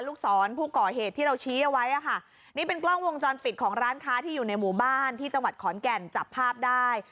ลูกศรผู้ก่อเหตุที่เราชี้เอาไว้อ่ะค่ะนี่เป็นกล้องวงจรปิดของร้านค้าที่อยู่ในหมู่บ้านที่จังหวัดขอนแก่นจับภาพได้